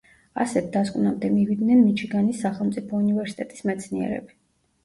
ასეთ დასკვნამდე მივიდნენ მიჩიგანის სახელმწიფო უნივერსიტეტის მეცნიერები.